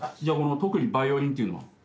じゃあこの特技バイオリンっていうのは？